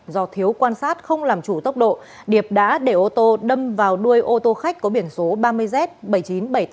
do thiếu quan sát không làm chủ tốc độ điệp đã để ô tô đâm vào đuôi ô tô khách có biển số ba mươi hai c một mươi hai nghìn tám trăm hai mươi hai